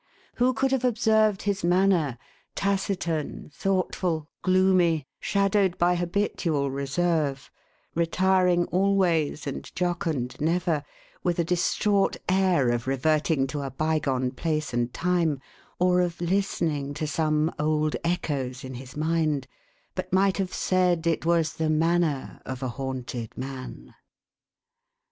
Who could have observed his manner, taciturn, thoughtful, gloomy, shadowed by habitual reserve, retiring always and jocund never, with a distraught air of reverting to a bygone place and time, or of listening to some old echoes in his mind, but might have said ft was the manner of a haunted man